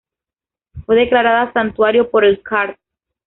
Fue declarada santuario por el Card.